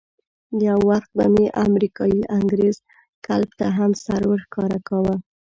یو وخت به مې امریکایي انګرېز کلب ته هم سر ورښکاره کاوه.